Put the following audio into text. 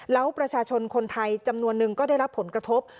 แล้วประชาชนคนไทยจำนวนนึงก็ได้รับผลกระทบ